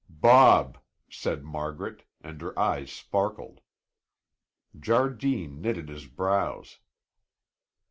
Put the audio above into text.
"Bob," said Margaret and her eyes sparkled. Jardine knitted his brows.